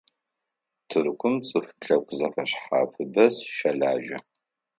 Тыркум цӀыф лъэпкъ зэфэшъхьафыбэ щэлажьэ.